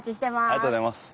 ありがとうございます。